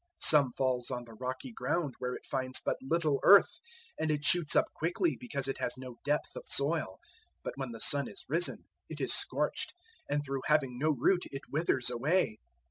004:005 Some falls on the rocky ground where it finds but little earth, and it shoots up quickly because it has no depth of soil; 004:006 but when the sun is risen, it is scorched, and through having no root it withers away.